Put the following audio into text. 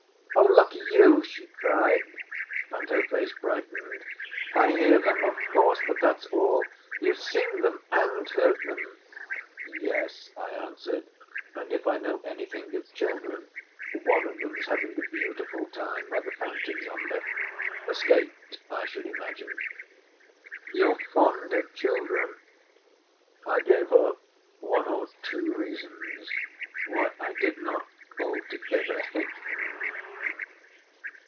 "Oh, lucky you!" she cried, and her face brightened. "I hear them, of course, but that's all. You've seen them and heard them?" "Yes," I answered. "And if I know anything of children one of them's having a beautiful time by the fountain yonder. Escaped, I should imagine." "You're fond of children?" I gave her one or two reasons why I did not altogether hate them.